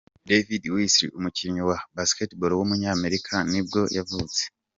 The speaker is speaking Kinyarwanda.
David Wesley, umukinnyi wa Basketball w’umunyamerika nibwo yavutse.